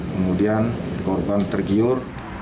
kemudian korban tergiur